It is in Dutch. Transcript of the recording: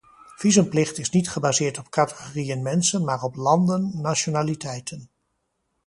Visumplicht is niet gebaseerd op categorieën mensen maar op landen, nationaliteiten.